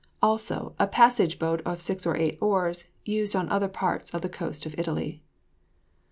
Also, a passage boat of six or eight oars, used on other parts of the coast of Italy.